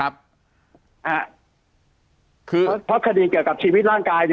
เพราะคดีเกี่ยวกับชีวิตร่างกาย